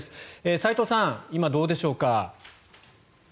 齋藤さん、今どうでしょうか。